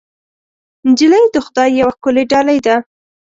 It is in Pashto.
نجلۍ د خدای یوه ښکلی ډالۍ ده.